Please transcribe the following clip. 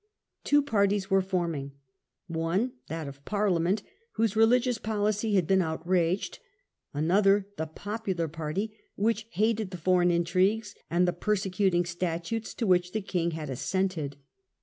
1 wo parties were form ing; one that of the Parliament, whose religious policy had been outraged, another the popular party, which hated the foreign intrigues and the persecuting statutes to which the king had assented.